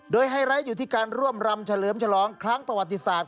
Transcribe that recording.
โดยไฮไลท์อยู่ที่การร่วมรำเฉลิมฉลองครั้งประวัติศาสต